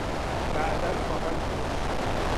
بعدا خواهم نوشت.